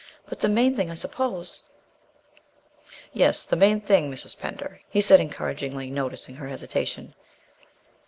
But the main thing, I suppose " "Yes, the main thing, Mrs. Pender," he said encouragingly, noticing her hesitation.